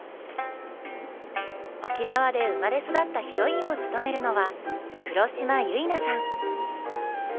沖縄で生まれ育ったヒロインを務めるのは黒島結菜さん。